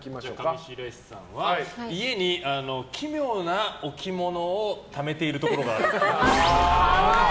上白石さんは家に奇妙な置物をためているところがあるっぽい。